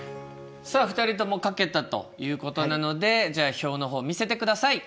さあ２人とも書けたということなのでじゃあ表の方見せてください。